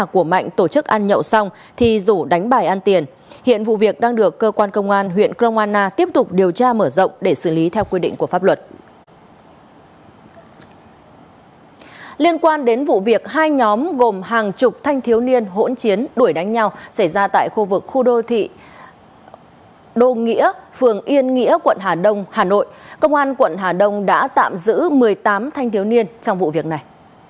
công an quận hà đông đã tạm giữ một mươi tám thanh thiếu niên trong vụ việc này